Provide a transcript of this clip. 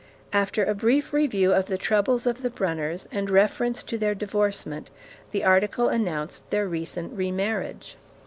After a brief review of the troubles of the Brunners, and reference to their divorcement, the article announced their recent remarriage.